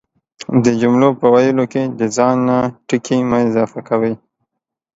د جملو په ويلو کی دا ځان نه ټکي مه اضافه کوئ،